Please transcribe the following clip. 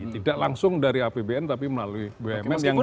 tidak langsung dari apbn tapi melalui pmn yang di